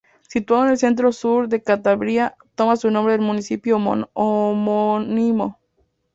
Situado en el centro-sur de Cantabria, toma su nombre del municipio homónimo.